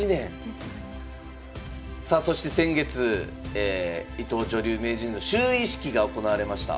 さあそして先月伊藤女流名人の就位式が行われました。